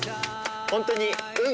ホントに。